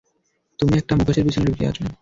তুমি একটা মুখোশের পেছনে লুকিয়ে আছো!